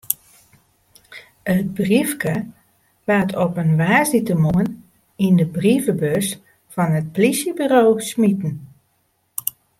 It briefke waard op in woansdeitemoarn yn de brievebus fan it polysjeburo smiten.